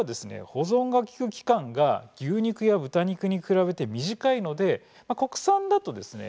保存がきく期間が牛肉や豚肉に比べて短いので国産だとですね